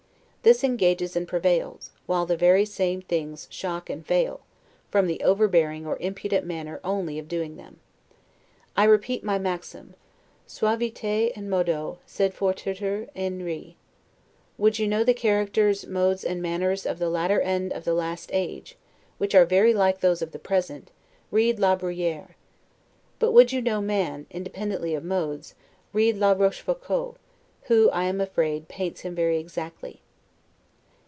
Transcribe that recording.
This engages and prevails, while the very same things shock and fail, from the overbearing or impudent manner only of doing them. I repeat my maxim, 'Suaviter in modo, sed fortiter in re'. Would you know the characters, modes and manners of the latter end of the last age, which are very like those of the present, read La Bruyere. But would you know man, independently of modes, read La Rochefoucault, who, I am afraid, paints him very exactly.